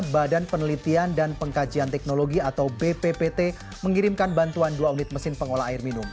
badan penelitian dan pengkajian teknologi atau bppt mengirimkan bantuan dua unit mesin pengolah air minum